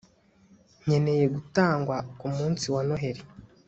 nkeneye gutangwa kumunsi wa noheri